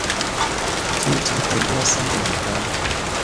Kit egula ssente mmeka?